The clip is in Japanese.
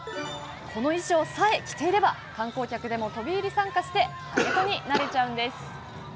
この衣装さえ着ていれば観光客でも飛び入り参加して跳人になれちゃうんです。